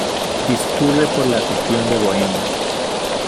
Discurre por la región de Bohemia.